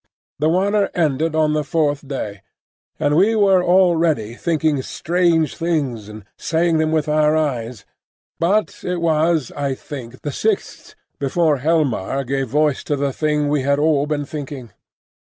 The water ended on the fourth day, and we were already thinking strange things and saying them with our eyes; but it was, I think, the sixth before Helmar gave voice to the thing we had all been thinking.